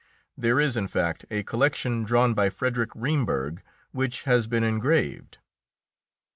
There is, in fact, a collection drawn by Frederic Reimberg, which has been engraved.